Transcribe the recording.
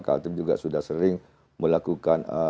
kaltim juga sudah sering melakukan